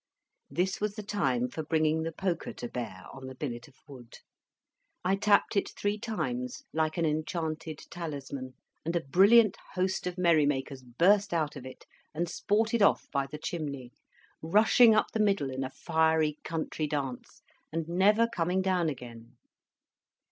This was the time for bringing the poker to bear on the billet of wood. I tapped it three times, like an enchanted talisman, and a brilliant host of merry makers burst out of it, and sported off by the chimney, rushing up the middle in a fiery country dance, and never coming down again.